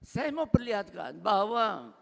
saya mau perlihatkan bahwa